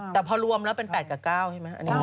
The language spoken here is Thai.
แต่พอรวมแล้วเป็น๘กับ๙ใช่ไหม